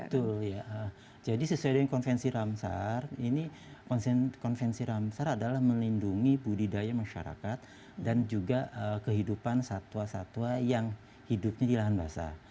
betul ya jadi sesuai dengan konvensi ramsar ini konvensi ramsar adalah melindungi budidaya masyarakat dan juga kehidupan satwa satwa yang hidupnya di lahan basah